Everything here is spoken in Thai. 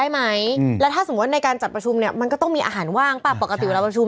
คุณเขาบอกแล้วจัดประชุมได้ไหม